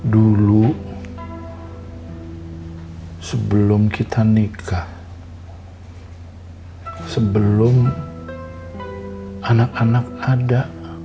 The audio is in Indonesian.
dulu sebelum kita nikah sebelum anak anak ada